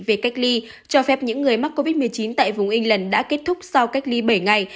về cách ly cho phép những người mắc covid một mươi chín tại vùng england đã kết thúc sau cách ly bảy ngày